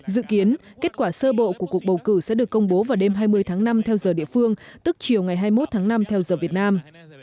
dự kiến kết quả sơ bộ của cuộc bầu cử sẽ được công bố vào đêm hai mươi tháng năm theo giờ địa phương tức chiều ngày hai mươi một tháng năm theo giờ việt nam